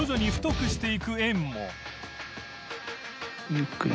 ゆっくり。